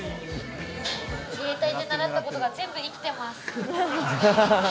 自衛隊で習ったことが全部いきてます。